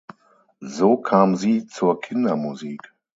So kam sie zur Kindermusik.